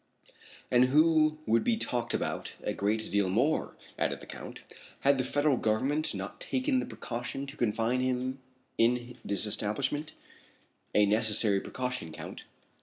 "And who would be talked about a great deal more," added the Count, "had the Federal Government not taken the precaution to confine him in this establishment." "A necessary precaution, Count."